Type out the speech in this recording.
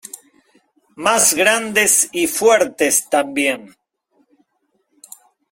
Más grandes y fuertes también .